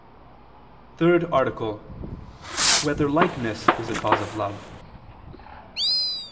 27, Art. 3] Whether Likeness Is a Cause of Love?